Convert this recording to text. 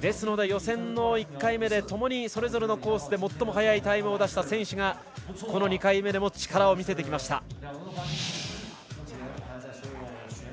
ですので予選の１回目でともにそれぞれ最も早いタイムを出した選手がこの２回目でも力を見せてきました。